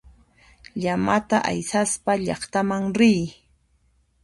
Llamata aysaspa llaqtaman riy.